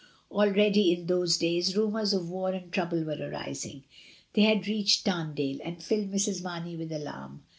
Already in those days rumours of war and trouble were arising; they had reached Tamdale, and filled Mrs. Mamey with alarm.